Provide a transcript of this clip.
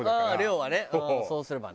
量はねそうすればね。